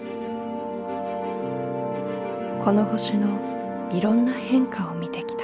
この星のいろんな変化を見てきた。